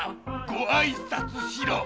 ご挨拶しろ！